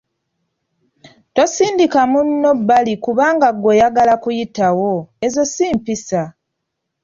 "Tosindika munno bbali kubanga ggwe oyagala kuyitawo, ezo si mpisa."